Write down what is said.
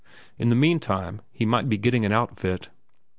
In the meantime he might be getting an outfit.